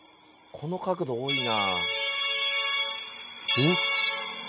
この角度多いな。